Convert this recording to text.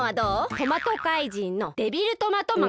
トマトかいじんのデビルトマトマン。